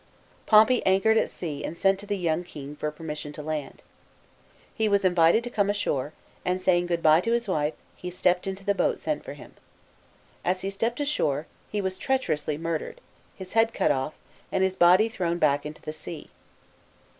Pompey an chored at sea and sent to the }oung king for per mission to land. He w r as invited to come ashore, and saying good bye to his wife, he stepped into the boat sent for him. As he stepped ashore, he w r as treacherously murdered, his head cut oft*, and his body thrown back into the sea.